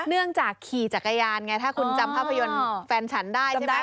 เนื่องจากขี่จักรยานไงถ้าคุณจำภาพยนตร์แฟนฉันได้ใช่ไหม